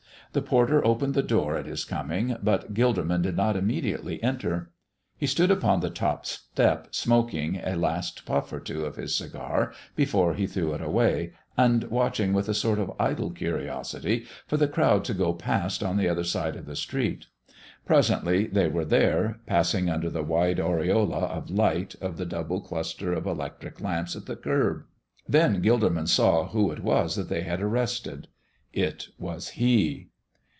The porter opened the door at his coming, but Gilderman did not immediately enter. He stood upon the top step smoking a last puff or two at his cigar before he threw it away, and watching, with a sort of idle curiosity, for the crowd to go past on the other side of the street. Presently they were there, passing under the wide aureola of light of the double cluster of electric lamps at the curb. Then Gilderman saw who it was that they had arrested it was He.